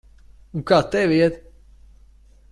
Un kā tev iet?